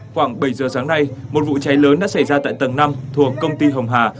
khoảng bảy giờ sáng nay một vụ cháy lớn đã xảy ra tại tầng năm thuộc công ty hồng hà